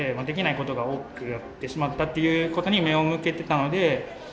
できないことが多くなってしまったということに目を向けていたので。